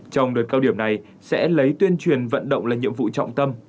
trong đợt cao điểm này sẽ lấy tuyên truyền vận động là nhiệm vụ trọng tâm